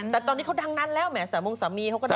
แต่ตอนนี้เขาดังนั้นแล้วแหมสามงสามีเขาก็ดัง